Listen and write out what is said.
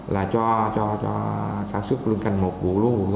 là cho sản xuất lương canh mù